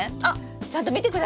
ちゃんと見てください！